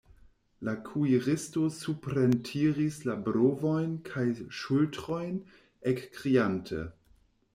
La kuiristo suprentiris la brovojn kaj ŝultrojn, ekkriante: